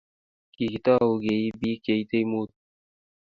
Kikitou kei bik cheitei mut